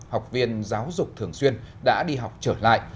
học viên giáo dục thường xuyên đã đi học trở lại